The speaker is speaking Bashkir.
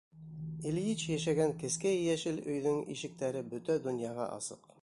Ильич йәшәгән кескәй йәшел өйҙөң ишектәре бөтә донъяға асыҡ.